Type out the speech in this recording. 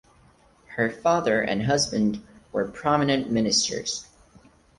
Her father and husband were prominent ministers.